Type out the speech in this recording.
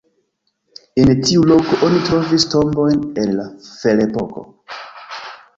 En tiu loko oni trovis tombojn el la ferepoko.